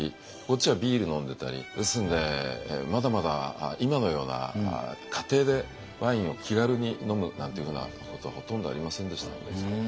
こっちはビール飲んでたりですのでまだまだ今のような家庭でワインを気軽に飲むなんていうふうなことはほとんどありませんでしたので。